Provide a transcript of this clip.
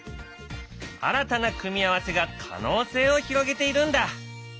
新たな組み合わせが可能性を広げているんだ。